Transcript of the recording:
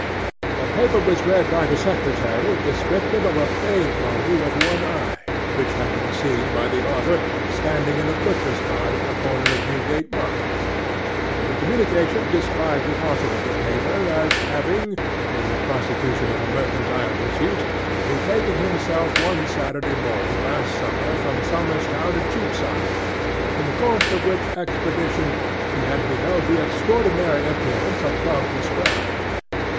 'A paper was read by the secretary descriptive of a bay pony with one eye, which had been seen by the author standing in a butcher's cart at the corner of Newgate Market. The communication described the author of the paper as having, in the prosecution of a mercantile pursuit, betaken himself one Saturday morning last summer from Somers Town to Cheapside; in the course of which expedition he had beheld the extraordinary appearance above described.